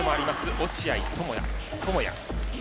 落合知也。